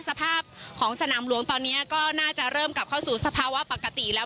สภาพของสนามหลวงตอนนี้ก็น่าจะเริ่มกลับเข้าสู่สภาวะปกติแล้ว